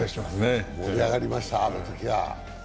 盛り上がりました、あのときは。